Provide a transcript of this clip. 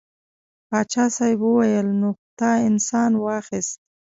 پاچا صاحب وویل نو خو تا انسان واخیست.